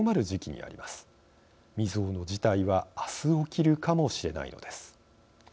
未曽有の事態はあす起きるかもしれないのです。